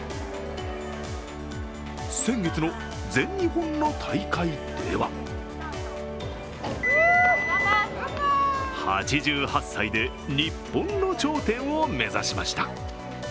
先月の全日本の大会では８８歳で日本の頂点を目指しました。